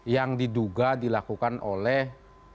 yang diduga dilakukan oleh